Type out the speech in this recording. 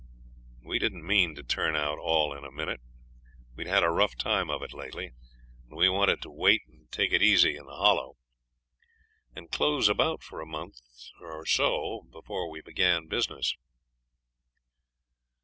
We didn't mean to turn out all in a minute. We'd had a rough time of it lately, and we wanted to wait and take it easy in the Hollow and close about for a month or so before we began business.